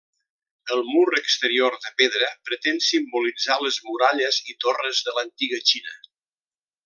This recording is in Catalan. El mur exterior de pedra pretén simbolitzar les muralles i torres de l'antiga Xina.